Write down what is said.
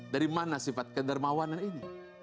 dari mana sifat kedermawanan